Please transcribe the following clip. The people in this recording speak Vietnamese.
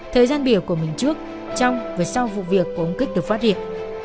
thời gian biểu của mình trước trong và sau vụ việc của ông kích được phát hiện